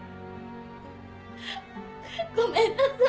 ごめんなさい。